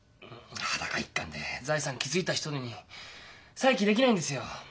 裸一貫で財産築いた人なのに再起できないんですよ。